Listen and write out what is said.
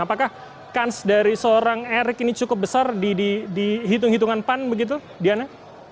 apakah kans dari seorang erick ini cukup besar di hitung hitungan pan begitu diana